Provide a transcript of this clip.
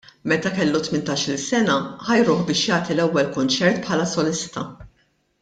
Meta kellu tmintax-il sena ħajruh biex jagħti l-ewwel kunċert bħala solista.